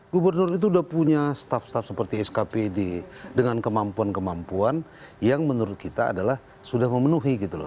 gubernur itu sudah punya staff staff seperti skpd dengan kemampuan kemampuan yang menurut kita adalah sudah memenuhi gitu loh